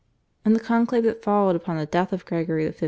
In the conclave that followed upon the death of Gregory XV.